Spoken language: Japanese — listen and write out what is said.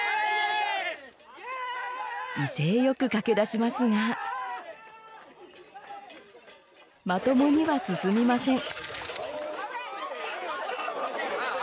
威勢よく駆け出しますがまともには進みません。